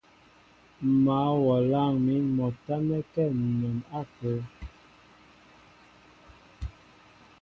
M̀ mǎl wɔ a lâŋ mín mɔ a tánɛ́kɛ́ ǹnɛn ápə́.